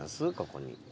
ここに。